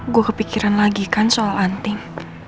gue kepikiran lagi kan soal anting